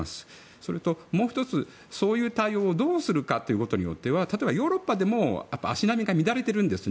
それともう１つ、そういう対応をどうするかということによっては例えばヨーロッパでも足並みが乱れているんですね。